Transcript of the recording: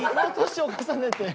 年を重ねて？